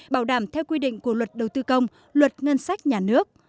bảo đảm theo quy định của luật đầu tư công luật ngân sách nhà nước